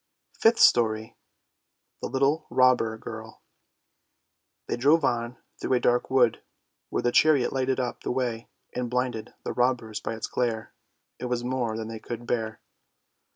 FIFTH STORY THE LITTLE ROBBER GIRL They drove on through a dark wood, where the chariot lighted up the way and blinded the robbers by its glare; it was more than they could bear.